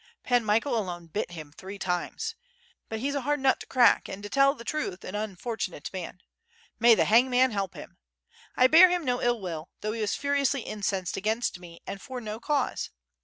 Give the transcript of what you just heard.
Pan Michael alone bit him three times. But he's a hard nut to crack, and to tell the truth an un fortunate man. May the hangman help him! I bear him no ill will, though he was furiously incensed against me and for no cause.